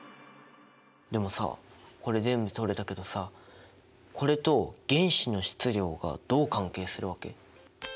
でもさこれ全部とれたけどさこれと原子の質量がどう関係するわけ？